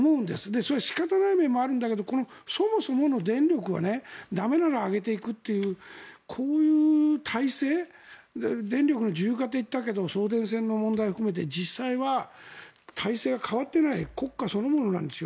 それは仕方ない面もあるんだけどそもそも、電力が駄目なら上げていくっていうこういう体制電力の自由化といったけど送電線の問題を含めて実際は体制が変わってない国家そのものなんですよ。